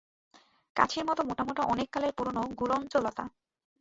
কাছির মতো মোটা মোটা অনেককালের পুরোনো গুলঞ্চ লতা।